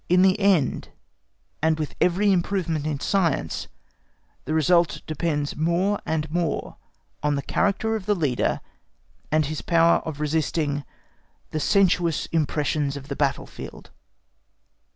In the end, and with every improvement in science, the result depends more and more on the character of the Leader and his power of resisting "the sensuous impressions of the battlefield."